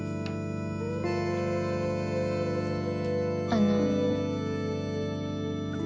あの。